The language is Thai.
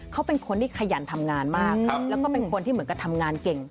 เขาเป็นคนที่ขยันทำงานมากแล้วก็เป็นคนที่เหมือนกับทำงานเก่ง